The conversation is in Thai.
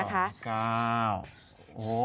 แล้วก็เลข๒๙๙๒นะคะ๒๙๙๒คุณผู้ค้าชนะธุรกิจด้วยใช่